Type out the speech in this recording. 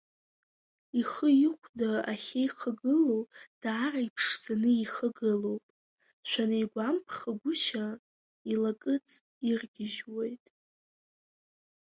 Ихы-ихәда ахьеихагылоу даара иԥшӡаны ихагылоуп, шәанигәамԥхагәышьа илакыҵ иргьежьуоит…